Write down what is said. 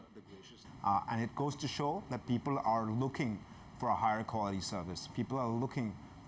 dan itu menunjukkan bahwa orang orang mencari servis kualitas yang lebih tinggi